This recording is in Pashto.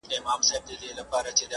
• کله کله به هیلۍ ورته راتللې -